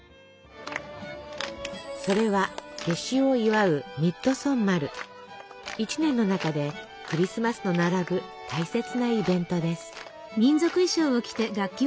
それは夏至を祝う１年の中でクリスマスと並ぶ大切なイベントです。